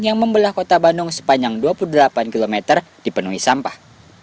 yang membelah kota bandung sepanjang dua puluh delapan km dipenuhi sampah